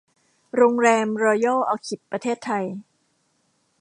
โรงแรมรอยัล ออคิด ประเทศไทย